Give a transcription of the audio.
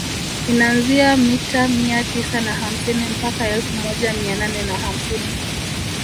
Inaanzia mita mia tisa na hamsini mpaka elfu moja mia nane na hamsini